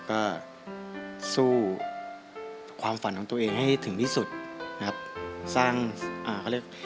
ก็สู้ความฝันของตัวเองให้ถึงที่สุดครับ